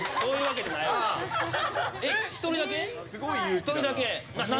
１人だけ？